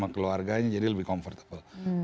keluarganya jadi lebih comfortable